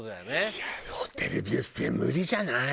いやホテルビュッフェ無理じゃない？